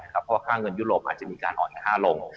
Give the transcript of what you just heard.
เพราะว่าค่าเงินยุโรปอาจจะมีการอ่อนค่าลง